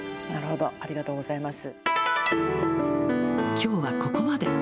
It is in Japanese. きょうはここまで。